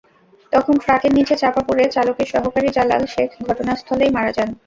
তখন ট্রাকের নিচে চাপা পড়ে চালকের সহকারী জালাল শেখ ঘটনাস্থলেই মারা যান।